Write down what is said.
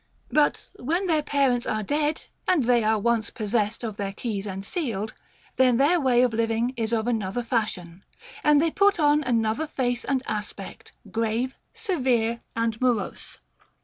But when their parents are dead and they are once possessed of their keys and seals, then their way of living is of another fashion, and they put on another face and 302 OF THE LOVE OF WEALTH. aspect, grave, severe, and morose.